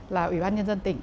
là ủy ban nhân dân tỉnh